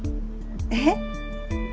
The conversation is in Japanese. えっ？